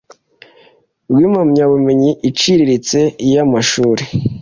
rw impamyabumenyi iciriritse iy amashuri